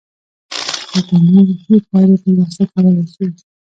خو تر نورو ښې پايلې ترلاسه کولای شئ.